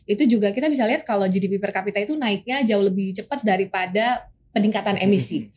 itu juga kita bisa lihat kalau gdp per kapita itu naiknya jauh lebih cepat daripada peningkatan emisi